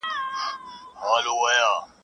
اوس به څوک په لپو لپو د پېغلوټو دیدن غلا کړي ..